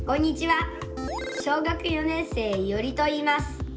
小学４年生いおりといいます。